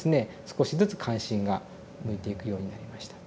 少しずつ関心が向いていくようになりました。